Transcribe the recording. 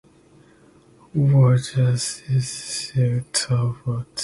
Walter Cecil Talbot.